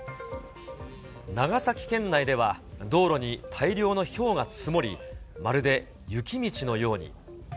長崎県内では、道路に大量のひょうが積もり、まるで雪道のように。